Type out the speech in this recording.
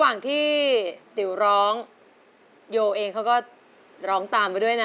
แล้วก็ร้องตามกันด้วยนะ